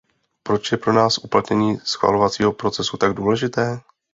Proč je pro nás uplatnění schvalovacího procesu tak důležité?